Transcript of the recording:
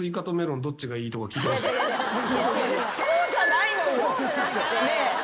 そうじゃないのよねえ。